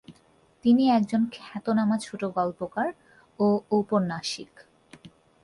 তিনি একজন খ্যাতনামা ছোটগল্পকার ও ঔপন্যাসিক।